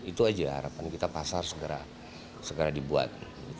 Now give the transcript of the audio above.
itu aja harapan kita pasar segera dibuat